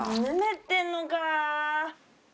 ヌメってんのか。